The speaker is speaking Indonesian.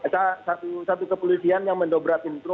satu kepolisian yang mendobrak pintu